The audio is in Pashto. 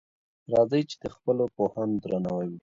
راځئ چی د خپلو پوهانو درناوی وکړو.